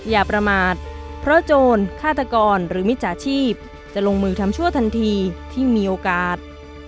อย่าประมาทเพราะโจรฆาตกรหรือมิจฉาชีพจะลงมือทำชั่วทันทีที่มีโอกาส